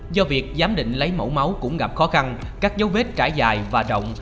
do việc giám định lấy mẫu máu cũng gặp khó khăn các giấu vết trải dài và rộng